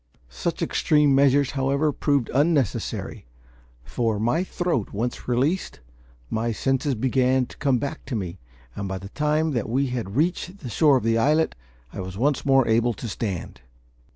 Such extreme measures, however, proved unnecessary; for, my throat once released, my senses began to come back to me, and by the time that we had reached the shore of the islet I was once more able to stand.